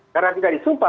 karena tidak disumpah